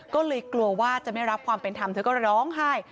ก็เลยกลัวว่าจะไม่รับความเป็นธรรมเธอก็ร้องไห้